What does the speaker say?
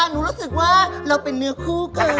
หนูรู้สึกว่าเราเป็นเนื้อคู่เกินไป